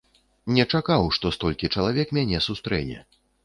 Не чакаў, што столькі чалавек мяне сустрэне.